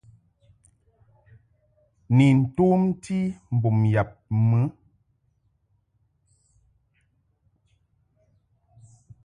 Ni tomti mbum yab mɨ.